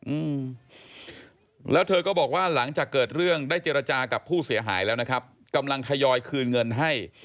อืมแล้วเธอก็บอกว่าหลังจากเกิดเรื่องได้เจรจากับผู้เสียหายแล้วนะครับกำลังทยอยคืนเงินให้